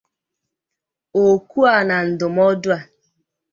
Oku a na ndụmọdụ a